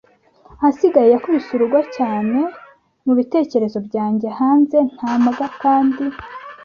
ahasigaye, yakubise urugo cyane mubitekerezo byanjye: “Hanze nta mbwa kandi